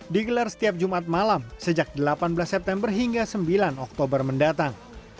digelar setiap jumat malam sejak delapan belas september hingga sembilan oktober mendatang